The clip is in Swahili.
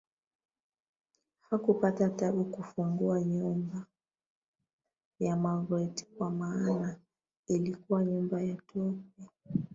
Hakupata tabu kufungua nyumba ya Magreth kwa maana ilikuwa nyumba ya tope